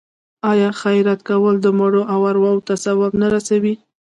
آیا خیرات کول د مړو ارواو ته ثواب نه رسوي؟